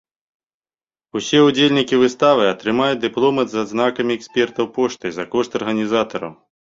Усе ўдзельнікі выставы атрымаюць дыпломы з адзнакамі экспертаў поштай за кошт арганізатараў.